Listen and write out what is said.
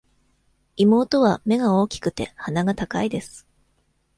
妹は目が大きくて、鼻が高いです。